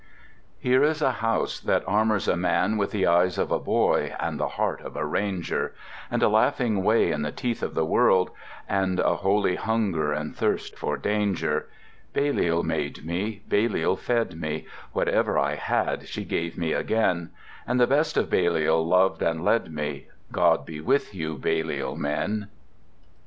Here is a House that armours a man With the eyes of a boy and the heart of a ranger, And a laughing way in the teeth of the world And a holy hunger and thirst for danger: Balliol made me, Balliol fed me, Whatever I had she gave me again: And the best of Balliol loved and led me, God be with you, Balliol men.